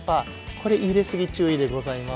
これ入れ過ぎ注意でございます。